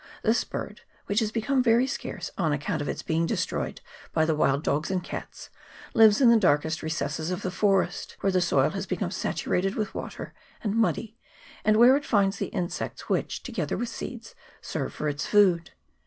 This bird, which has become very scarce, on account of its being destroyed by the wild dogs and cats, lives in the darkest recesses of the forest, where the soil has become saturated with water, and muddy, and where it finds the insects which, together with seeds, serve for its food.